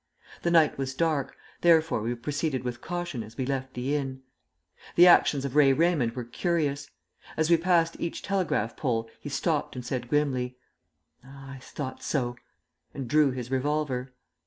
The night was dark, therefore we proceeded with caution as we left the inn. The actions of Ray Raymond were curious. As we passed each telegraph pole he stopped and said grimly, "Ah, I thought so"; and drew his revolver.